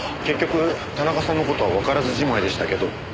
結局田中さんの事はわからずじまいでしたけど。